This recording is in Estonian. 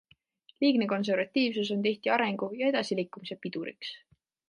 Liigne konservatiivsus on tihti arengu ja edasiliikumise piduriks.